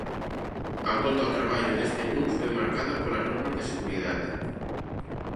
A volta ao traballo deste luns vén marcada polas normas de seguridade.